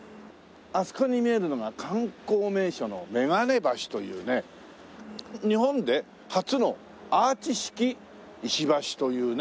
あそこに見えるのが観光名所の眼鏡橋というね日本で初のアーチ式石橋というね。